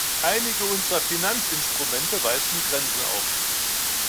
Einige unserer Finanzinstrumente weisen Grenzen auf.